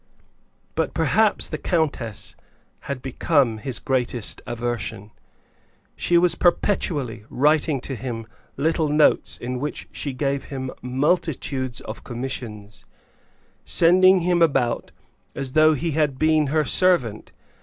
But perhaps the countess had become his greatest aversion. She was perpetually writing to him little notes in which she gave him multitudes of commissions, sending him about as though he had been her servant.